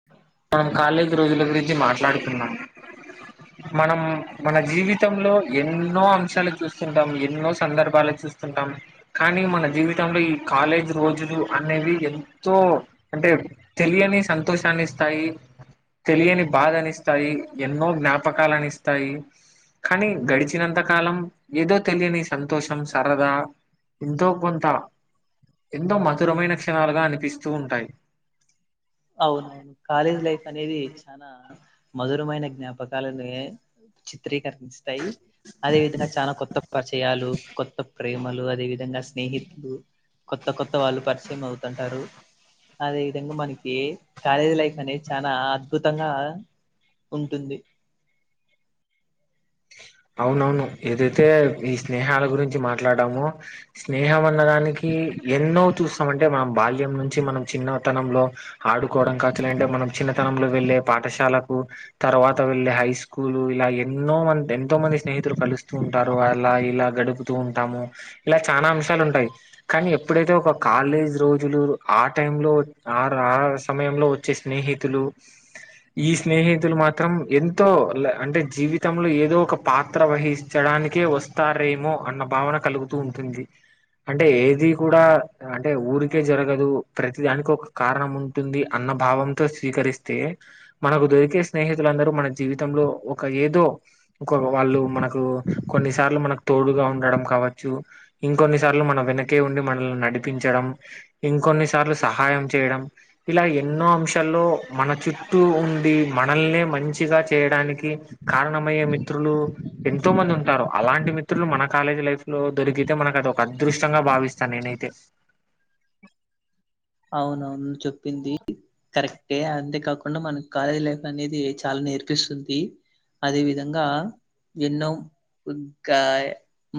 బ మనం కాలేజీ రోజుల గురించి మాట్లాడుతున్న అ మనం మన జీవితంలో ఎన్నో అంశాలు చూస్తుంటాం ఎన్నో సందర్భాలు చూస్తుంటాం కానీ మన జీవితంలో ఈ కాలేజీ రోజులు అనేవి ఎంతో అంటే తెలియని సంతోషాని ఇస్తా ఇస్తాయి తెలియని బాధనిస్తాయి ఎన్నో జ్ఞాపకాలునిస్తాయి కానీ గడిచినంత కాలం ఏదో తెలియని సంతోషం సరదా ఎంతో కొంత ఎంతో మధురమైన క్షణాలుగా అనిపిస్తూ ఉంటాయి అవును కాలేజ్ లైఫ్ అనేది తన మధురమైన జ్ఞాపకాలనే చిత్రీకరిస్తం దయి అదే విధంగా చాలా కొత్త పరిచయాలు కొత్త ప్రేమలు అదే విధంగా స్నేహితులు కొత్త కొత్త వాళ్ళు పరిచయం అవుతుంటారు అదే విధంగా మనకి ఏం ఏమి కాలేదు గాని కాలేజీ లైఫ్ అనేది చాలా అద్భుతంగా ఉంటుంది అవునవును ఏదైతే మీ స్నేహాల గురించి మాట్లాడామో స్నేహం అన్నదనికి మనకి ఎన్నో చూస్తాం అంటే మనం బాల్యం నుంచి మన చిన్న తనంలో ఆడుకోవడం కావచ్చు అంటే మనం చిన్నతనంలో వెళ్ళే పాఠశాలకు తర్వాత వెళ్ళి హై స్కూలు ఇలా ఎన్నో మంది ఎ ఎంతోమంది స్నేహితులు కలుస్తూ ఉంటారు అలా ఇలా గడుపుతూ ఉంటాము ఇలా చానా అంశాలు ఉంటాయి కానీ ఎప్పుడైతే ఒక కాలేజ్ రోజులు ఆ టైంలో ఆ ఆ సమయంలో మంచి స్నేహితులు ఈ స్నేహితులు మాత్రం ఎంతో అంటే జీవితంలో ఏదో ఒక పాత్ర వహించడానికే వస్తారేమో అన్న భావన కలుగుతూ ఉంటుంది అంటే ఏది కూడా అంటే ఊరికే అవును జరగదు ప్రతి దానికి ఒక కారణం ఉం ఉంటుంది అన్న భావంతో స్వీకరిస్తే మనకు దొరికే స్నేహితులందరూ మన జీవితంలో ఒక ఏదో ఇంకొవాళ్లు మనకు కొన్నిసార్లు మనకు తోడుగా ఉండడం కావచ్చు ఇంకొన్ని సార్లు మన వెనకే ఉండి మనల్ని నడిపించడం ఇంకొన్ని కొన్నిసార్లు సహాయం చేయడం ఇలా ఎన్నో అంశాల్లో మన చుట్టూ ఉండి మనల్నే మంచిగా చేయడానికి కారణమయ్యే మి మిత్రులు ఎంతో మంది ఉంటారు అలాంటి మిత్రులు మన కాలేజ్ లైఫ్ లో దొరికితే మనకి [unintelligible] అదృష్టంగా భావిస్త నేనైతే అవునవును నువ్వు చెప్పింది కరెక్టే అంతే కాకుండ మన కాలేజ్ లైఫ్ అనేది చాలా నేర్పిస్తుంది అదే విధంగా ఎన్నో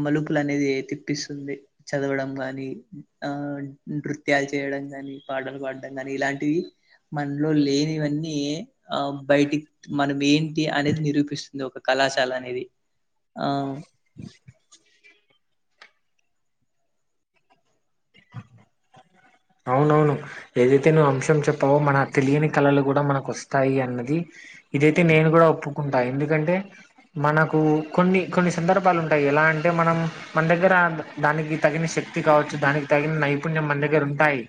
మలుపులు అనేది తిప్ స్తుంది చదవడం గాని ఆ నృత్యాలు చేయడం కాని పాటలు పాడం కాని ఇలాంటివి మనలో లేనివన్నీ ఆ బయటి మనం ఏంటి అనేది నిరూపిస్తుంది ఒక కళాశాల అనేది ఆ [inaudible] అవునవును ఏదైతే ను్వు అంశం చెప్పావో మన తెలియని కళలు కూడ మనకు వస్తాయి అన్నది ఇదైతే నేను కూడా ఒప్పుకుంటా ఎందుకంటే మనకు కొన్ని కొన్ని సందర్భాలు ఉంటాయి ఎలా అంటే మనం మన దగ్గర దానికి తగిన శక్తి కావచ్చు దానికి తగిన నైపుణ్యం మన దగ్గర ఉంటాయి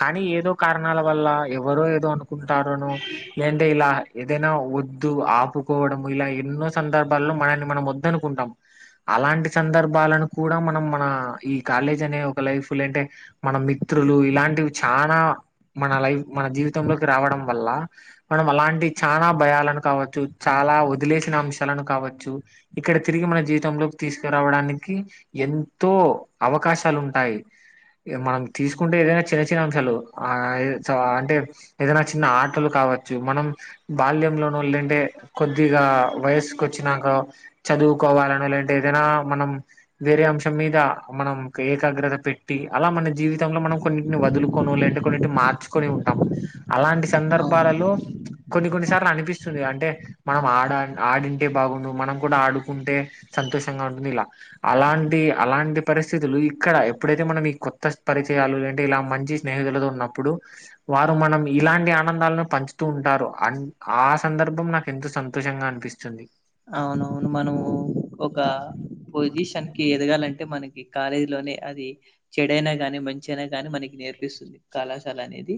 కానీ ఏదో కారణాల వల్ల ఎవరో ఏదో అనుకుంటారనో లేంటే ఇల ఏదైనా ఒద్దు ఆపుకోవడం ఇల ఎన్నో సందర్భాలో మనని మనం వద్దనుకుంటాం అలాంటి సందర్భాలను కూడ మనం మన ఈ కాలేజ్ అనే ఒక లైఫ్ లో అంటే మనం మిత్రులు ఇలాంటివి చాన మన లైఫ్ మన జీవితంలోకి రావడం వల్ల మనం అలాంటి చనా భయాలను కావచ్చు చాల వదిలేసిన అంశాలను కావచ్చు ఇక్కడ తిరిగి మన జీవితంలోకి తీసుకురావడానికి ఎంతో అవకాశాలు ఉంటాయి మ తీసుకుంటే ఏదైనా చిన్న చిన్న అంశాలు అంటే ఏదైనా చిన్న ఆటలు కావ మనం బాల్యంలోనో లేంటే కొద్దిగా వయసుకు వచ్చినాక చదువుకోవాలను లేంటే ఏదైన మనం వేరే అంశం మీద మనం ఏకాగ్రత పెట్టి అల మన జీ [unintelligible] లో మనం కొన్నింటిని వదులుకొను లేదే కొన్నింటి మార్చుకొని ఉంటాం అలాంటి అవును సందర్భాలలో కొన్ని కొన్నిసార్లు అనిపిస్తుంది అంటే మనం ఆడ ఆడింటే బాగుండు మనం కూడా ఆడుకుంటే సంతోషంగా ఉంటుంది ఇలా అలాంటి అలాంటి పరిస్థితులు ఇక్కడ ఎప్పుడైతే మనం ఈ కొత్త పరిచయాలు ఏంటే ఇల మంచి స్నేహితులతో ఉన్నప్పుడు వారు మనం ఇలాంటి ఆనందాలను పంచు [unintelligible] ఉంటారు అ ఆ సందర్భం నాకు ఎంతో సంతోషంగా అనిపిస్తుంది అవునవును మనము ఒక పొజిషన్కి ఎదగాలంటే మనకి కాలేజీ లోనే అది చెడైన గానీ మంచి అయిన గాని మనకి నేర్పిస్తుంది కళాశాల అనేది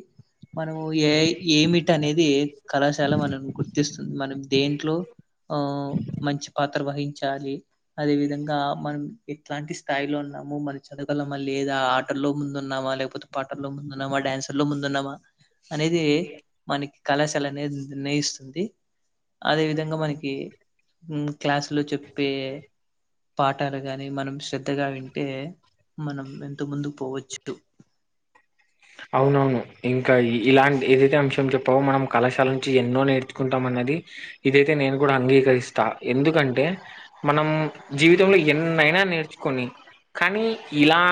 మనము ఏ ఏమిటనేది కళాశాల మనల్ని గుర్తిస్తుంది మనం దేంట్లో ఆ మంచి పాత్ర వహించాలి అదే విధంగా మనం ఎట్లాంటి స్థాయిలో ఉన్నాము మరి చదగలమా లేదా ఆటలో ముందు ఉన్నామా లేకపోతే పాటల్లో ముందున్నామా డ్యాన్సు లో ముందు ఉన్నామ అనేది మనకి కళాశాల అనేది నిర్ణయిస్తుంది అదే విధంగా మ క్లాసు లో చెప్పే పాఠాలు గాని మనం శ్రద్ధగా వింటే మనం ఎంత ముందు పోవచ్చు అవునవును ఇంకా ఇలాంటి ఏదైతే అంశం చెప్పవో మనం కళాశాల నుంచి ఎన్నో నే చసుకుంటాం అన్నది ఇదైతే నేను కూడా అంగీకరిస్తా ఎందుకంటే మనం జీవితంలో ఎన్నైనా నేర్చుకొని కానీ ఇలా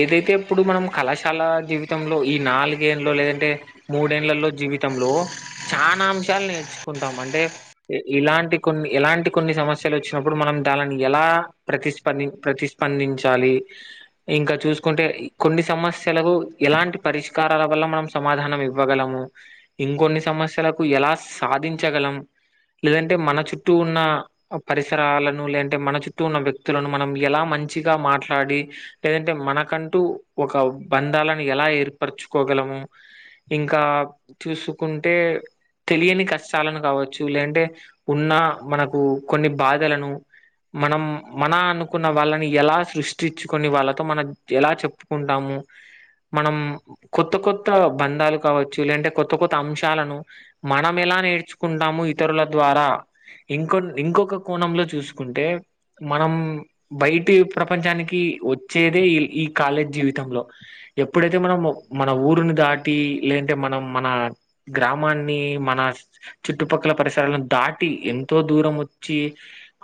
ఏదైతే ఇప్పుడు మనం కళాశాలా జీవిత తంలో ఈ నాలుగేళ్లో లేదంటే మూడేండ్లలో జీవితంలో చానా అంశాలు నేర్చుకుంటాం అంటే ఇలాంటి కొన్ని ఎలాంటి కొన్ని సమస్యలోచ్చినప్పుడు మనం దాలని ఎలా ప్రతిస్పంది ప్రతిస్పందించాలి. [inaudible] ఇంకా చూస్కుంటే కొన్ని సమస్యలకు ఎలాంటి పరిష్కారాల వల్ల మనం సమాధానం ఇవ్వగలము ఇంకొన్ని సమస్యలకు ఎలా సాధించగలం లేదంటే మన చుట్టూ ఉన్నా పరిసరాలను లేంటే మన చుట్టూ ఉన్న వ్యక్తులను మనం ఎలా మంచిగా మాట్లాడి లేదంటే మనకంటూ ఒక బంధాలను ఎలా ఏర్పరచుకోగలము ఇంకా చూసుకుంటే తెలియని కష్టాలను కావచ్చు లేంటే ఉన్న మనకు కొన్ని బాధలను మనం మన అనుకున్న వాళ్ళని ఎలా సృష్టిచుకొని వాళ్ళతో మనం ఎలా చెప్పుకుంటాము మనం కొత్త కొత్త బంధాలు కావచ్చు లేంటే కొత్త కొత్త అంశాలను మనం ఎలా నేర్చుకుంటాము ఇతరుల ద్వారా ఇంకొ కోన్ ఇంకొక కోణంలో చూస్కుంటే మనం బైటి ప్రపంచానికి వొచ్చేదే ఈ ఈ కాలేజ్ జీవితంలో ఎప్పుడైతే మనం మన ఊరుని దాటి లేదంటే మనం మన గ్రామాన్ని మన చుట్టుపక్కల పరిసరాలను దాటి ఎంతో దూరం ఒచ్చి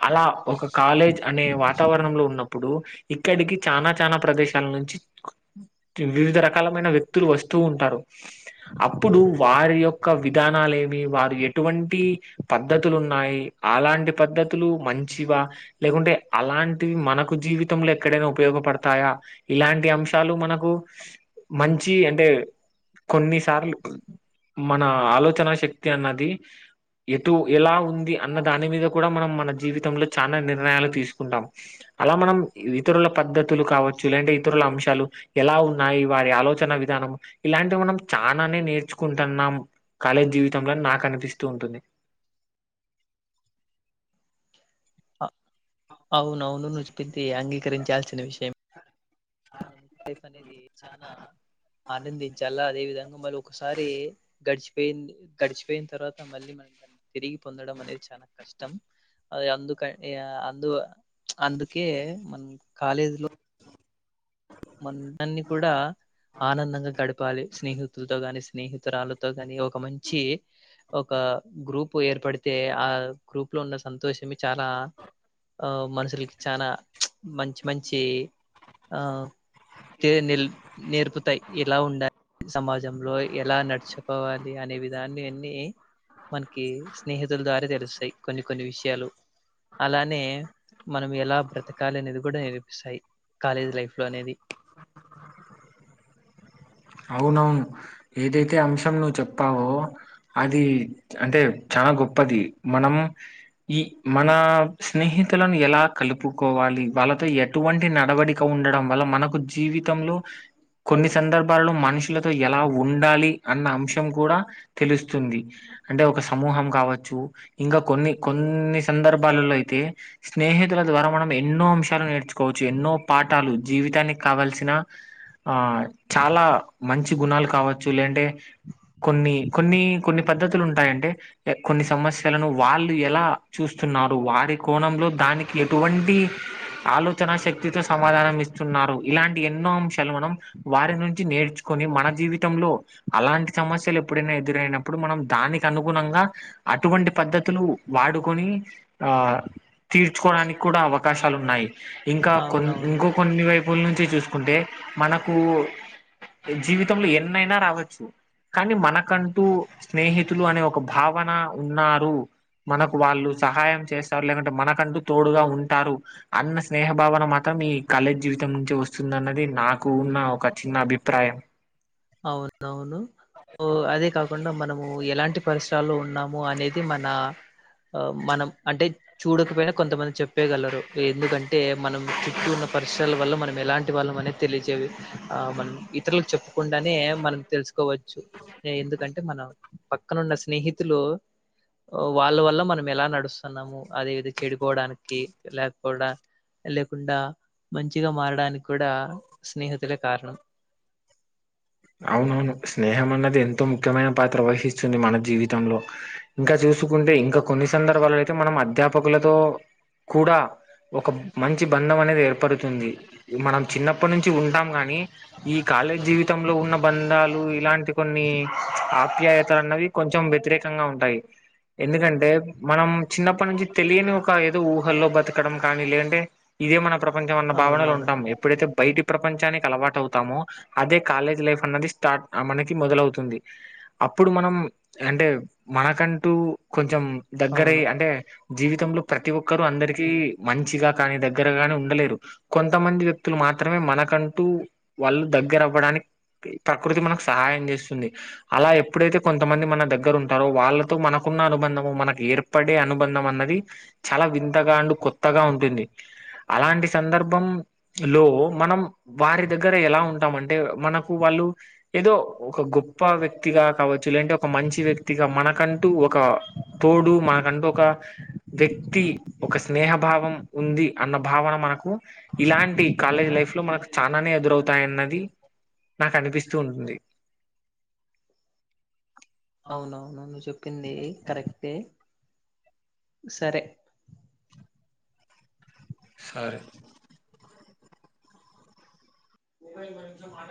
అలా ఒక కాలేజ్ అనే వాతావరణంలో ఉన్నప్పుడు ఇక్కడికి చానా చానా ప్రదేశాల నుంచి ట్యూ వివిధ రకాలమైన వ్యక్తులు వొస్తూ ఉంటారు అప్పుడూ వారి యొక్క విధానాల ఏమి వారు ఎటువంటి పద్ధతులు ఉన్నాయి ఆలాంటి పద్ధతులు మంచివా లేకుంటే ఆలాంటివి మనకు జీవితంలో ఎక్కడైనా ఉపయోగపడ్తాయా ఇలాంటి అంశాలు మనకు మంచి అంటే కొన్నిసార్లు మన ఆలోచనా శక్తి అన్నది. ఎటు ఎలా ఉంది అన్న దాని మీద కూడా మనం మన జీవితంలో చానా నిర్ణయాలు తీస్కుంటాం. అలా మనం ఇతరుల పద్ధతులు కావచ్చు లేదంటే ఇతరుల అంశాలు ఎలా ఉ ఉన్నాయి వారి ఆలోచన విధానం ఇలాంటి మనం చానానే నేర్చుకొంటున్నాం కాలేజ్ జీవితంలోని నాక్ అనిపిస్తూ ఉంటుంది. అ అవునవును ను చేప్పిది అంగీకరించాల్సిన విషయం మనం లైఫ్ అనేది చానా ఆనందించాల్ల అదే విధంగా మరి ఒకసారీ గడ్చిపెయింది గడ్చిపెన్ తర్వాత మళ్ళీ మనం తిరిగి పొందడం అనేది చానా కష్టం అదె అందుక ఇగ అందు అందుకే మనం కాలేజీ లో మన్దాన్ని కూడా ఆనందంగా గడుపు పలి స్నేహితుల్తో గని స్నేహితురాళ్ళతో కాని ఒక మంచీ ఒక గ్రూపూ ఏర్పడితే ఆ గ్రూప్ లో ఉన్న సంతోషమే చాలా ఆ మనుషులకి చానా మంచి మంచి ఆ తే నీల్ నేర్పుతాయి ఇలా ఉండ సమాజంలో ఎలా నడుచుకోవాలి అనే విధాన్ని అన్ని మనకి స్నేహితుల ద్వారె తెల్సే కొన్ని కొన్ని విషయాలు అలానే మనం ఎలా బ్రతకాలి అనేది కూడా నేరిపిస్సాయి కాలేజ్ లైఫ్ లో అనేది అవునవు ఏదైతే అంశం నువ్వు చెప్పావో అది అంటే చాలా గొప్పది మనం ఈ మన స్నేహితులను ఎలా కలుపుకోవాలి వాళ్ళతో ఎ అటువంటి నడవడిక ఉండడం వల్ల మనకు జీవితంలో కొన్ని సందర్భ లు మనుషులతో ఎలా ఉండాలి అన్న అంశం కూడా తెలుస్తుంది అంటే ఒక సమూహం కావచ్చు ఇంకా కొన్ని కొన్ని కొన్ని సందర్భాలలో అయితే స్నేహితుల ద్వారా మనం ఎన్నో అంశాలు నేర్చు కోవచ్చు ఎన్నో పాఠాలు జీవితానికి కావాల్సిన ఆ చాలా మంచి గుణాలు కావచ్చు లేదంటే కొన్ని కొన్ని కొన్ని పద్ధతులు ఉంటాయంటే కొన్ని సమస్యలను వాళ్ళు ఎలా చూస్తున్నారు వారి కోణంలో దానికి ఎటువంటి ఆలోచన శక్తితో సమాధానం ఇస్తున్నారు ఇలాంటి ఎన్నో అంశాలు మనం వారి నుంచి నేర్చుకొని మన జీవితంలో అలాంటి సమస్యలు ఎప్పుడైనా ఎదురైనప్పుడు మనం దానికి అనుగుణంగా అటువంటి పద్ధతులు వాడుకొని ఆ తీర్చుకోవడానికి కూడా అవకాశాలు ఉన్నాయి ఇంకా కొ అవునవును ఇంకో కొన్ని వైపుల నుంచి చూసుకుంటే మనకు జీవితంలో ఎన్నైనా రావచ్చు కానీ మనకంటూ స్నేహితులు అనే ఒక భావన ఉన్నారు మనకు వాళ్ళు సహాయం చేస్తారు లేదంటే మనకంటూ తోడుగా ఉంటారు అన్న స్నేహ భావన మాత్రం ఈ కాలేజ్ జీవితం నుంచే వస్తుందన్నది నాకు కు ఉన్న ఒక చిన్న అభిప్రాయం అవునవును అదే కాకుండా మనము ఎలాంటి పరిసరాల్లో ఉన్నాము అనేది మన ఆ మనం అంటే చూడకపోయినా కొంతమంది చెప్పేయగలరు ఎందుకంటే మనం చుట్టూ ఉన్న పరిసరల వల్ల మనం ఎలాంటి వాళ్ళం అనేది తెలియజేవి ఆ మనం ఇతరులకు చెప్పు కుండానే మనం తెలుసుకోవచ్చు ఎందుకంటే మన పక్కనున్న స్నేహితులు వాళ్ళ వల్ల మనం ఎలా నడుస్తున్నాము అదేతే చెడిపోవడానికి లేకుండా లేకుండా మంచిగా మారడానికి కూడా స్నేహితులే కారణం అవునవును స్నేహం అన్నది ఎంతో ముఖ్యమైన పాత్ర వహిస్తుంది మన జీవితంలో ఇంకా చూసుకుంటే ఇంకా కొన్ని సందర్భాలు అయితే మనం అధ్యాపకులతో కూడా ఒక మంచి బంధం అనేది ఏర్పడుతుంది మనం చిన్నప్పటి నుంచి ఉంటాం గానీ ఈ కాలేజ్ జీవిత లో ఉన్న బంధాలు ఇలాంటి కొన్ని ఆప్యాయతలు అన్నవి కొంచెం వ్యతిరేకంగా ఉంటాయి ఎందుకంటే మనం చిన్నప్పటి నుంచి తెలియని ఒక ఏదో ఊహల్లో బతకడం కానీ లేదంటే ఇదే మన ప్రపంచం అన్న భావనలో అవునవును. ఉంటాం ఎప్పుడైతే బయటి ప్రపంచానికి అలవాటు అవుతామో అదే కాలేజ్ లైఫ్ అన్నది స్టార్ట్ మనకి మొదలవుతుంది అప్పుడు మనం అంటే మనకంటూ కొంచెం దగ్గరై అవును. అంటే జీవితంలో ప్రతి ఒక్కరు అందరికి మంచిగా కానీ దగ్గరగా కాని ఉండలేరు కొంతమంది వ్యక్తులు మాత్రమే మనకంటూ వాళ్ళు దగ్గరవ్వడానికి ప్రకృతి మనకు సహాయం చేస్తుంది అలా ఎప్పుడైతే కొంతమంది మన దగ్గర ఉంటారో వాళ్ళతో మనకున్న అనుబంధము మనకు ఏర్ పడే అనుబంధం అన్నది చాలా వింతగా అండ్ కొత్తగా ఉంటుంది అలాంటి సందర్భంలో మనం వారి దగ్గర ఎలా ఉంటామంటే మన వాళ్ళు ఏదో ఒక గొప్ప వ్యక్తిగా కావొచ్చు లేదంటే ఒక మంచి వ్యక్తిగా మనకంటూ ఒక తోడు మాకంటూ ఒక వ్యక్తి ఒక స్నేహభావం ఉంది అన్న భావన మనకు ఇలాంటి కాలేజ్ లైఫ్లో మనకు చాలానే ఎదురవుతాయన్నది నాకు అనిపిస్తూ ఉంటుంది అవునవును నువ్వు చెప్పింది కరెక్టే సరే సరే వరి మాట